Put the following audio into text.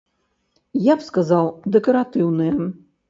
Я б сказаў, дэкаратыўныя.